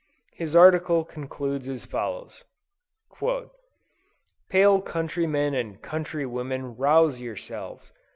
His article concludes as follows: "Pale countrymen and countrywomen rouse yourselves!